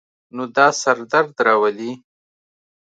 نو دا سر درد راولی